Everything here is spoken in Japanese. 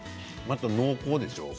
濃厚でしょ？